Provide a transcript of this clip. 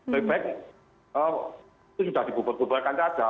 lebih baik itu sudah dibubur buburkan saja